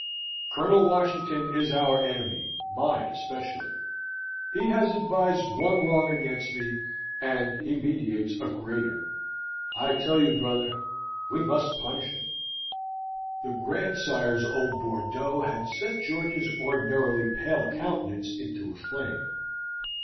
Colonel Washington is our enemy, mine especially. He has advised one wrong against me, and he meditates a greater. I tell you, brother, we must punish him." The grandsire's old Bordeaux had set George's ordinarily pale countenance into a flame.